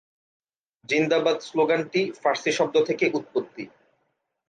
জিন্দাবাদ স্লোগানটি ফার্সি শব্দ থেকে উৎপত্তি।